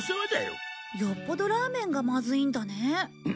よっぽどラーメンがまずいんだね。